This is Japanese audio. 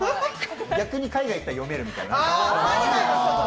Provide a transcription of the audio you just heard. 逆に海外に行ったら読めるみたいな？